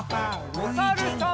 おさるさん。